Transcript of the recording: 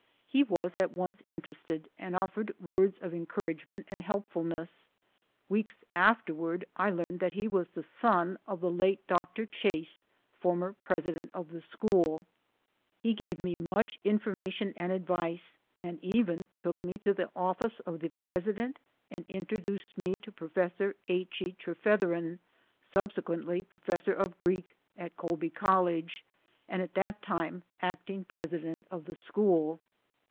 He was at once interested and offered words of encouragement and helpfulness. Weeks afterward I learned that he was the son of the late Dr. Chase, former president of the school. He gave 162 THE SOUL OF AN IMMIGRANT me much information and advice and even took me to the office of the president and introduced me to Professor H. E. Trefetheren, subsequently professor of Greek at Colby College, and at that time acting president of the school.